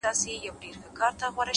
پوهه د وېرې زنځیرونه ماتوي’